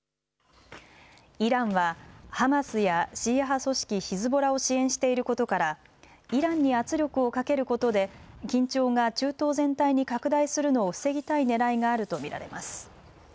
イランはハマスやシーア派組織ヒズボラを支援していることからイランに圧力をかけることで緊張が中東全体に拡大するのを防ぎたいねらいがあると見られます。